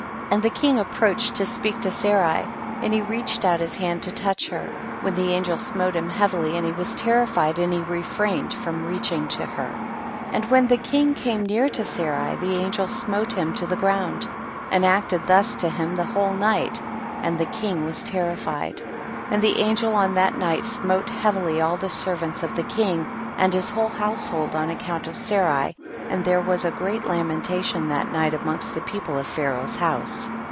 And the king approached tO' speak to Sarai, and he reached out his hand to touch her, when the an gel smote him heavily, and he was terrified and he refrained from reach ing to her. 24. And when the king came near THE BOOK OF JASHER. 43 to Sarai, the angel smote him to the ground, and acted thus to him the ■whole night, and the king was ter rified. 25. And the angel on that night smote heavily all the servants of the king, and his whole household, on account of Sarai, and there was a great lamentation that night amongst the people of Pharaoh's house.